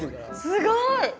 すごい！